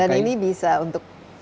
dan ini bisa untuk